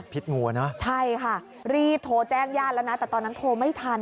งัวเนอะใช่ค่ะรีบโทรแจ้งญาติแล้วนะแต่ตอนนั้นโทรไม่ทัน